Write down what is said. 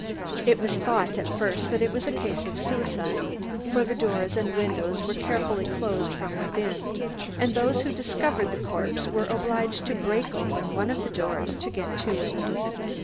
It was thought at first that it was a case of suicide, for doors and windows were carefully closed from within and those who discovered the corpse were obliged to break open one of the doors to get to it.